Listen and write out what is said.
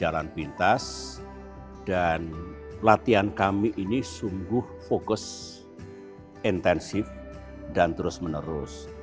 latihan kami ini sungguh fokus intensif dan terus menerus